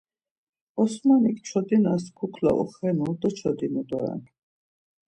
Osmanik çodinas kukla oxenu doçodinu doren.